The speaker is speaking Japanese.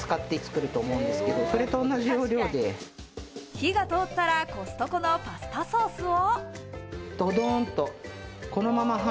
火が通ったらコストコのパスタソースを。